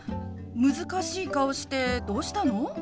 難しい顔してどうしたの？